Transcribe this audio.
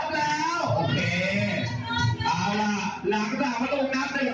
พี่อ้ำพร้อมว่ายน้ำเหรออะไรเหรอ